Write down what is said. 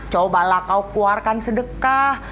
cobalah kau keluarkan sedekah